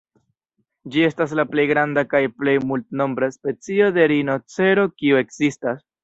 Ĝi estas la plej granda kaj plej multnombra specio de rinocero kiu ekzistas.